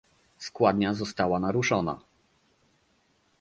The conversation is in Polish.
Składnia została naruszona